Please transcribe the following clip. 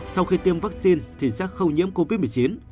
sau khi tiêm vaccine thì sẽ không nhiễm covid một mươi chín